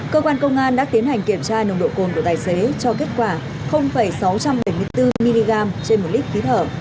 cơ quan công an đã tiến hành kiểm tra nồng độ cồn của tài xế cho kết quả sáu trăm bảy mươi bốn mg trên một lít khí thở